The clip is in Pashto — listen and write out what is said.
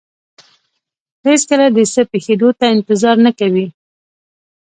هېڅکله د څه پېښېدو ته انتظار نه کوي.